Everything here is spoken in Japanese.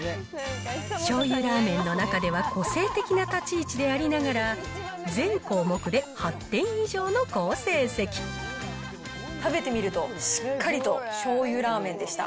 しょうゆラーメンの中では個性的な立ち位置でありながら、食べてみると、しっかりとしょうゆラーメンでした。